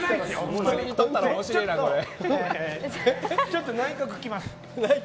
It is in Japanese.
ちょっと内角来ます。